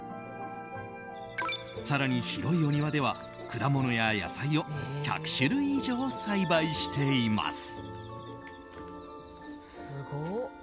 更に、広いお庭では果物や野菜を１００種類以上栽培しています。